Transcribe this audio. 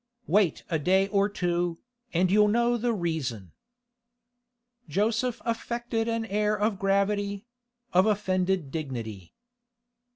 Wait a day or two, and you'll know the reason.' Joseph affected an air of gravity—of offended dignity.